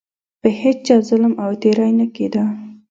په هیچا ظلم او تیری نه کېده.